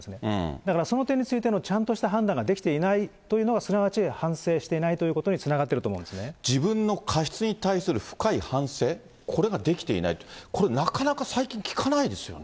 だからその点についてのちゃんとした判断ができていないというのは、すなわち、反省していないということにつながってると思うん自分の過失に対する深い反省、これができていないって、これ、なかなか最近聞かないですよね。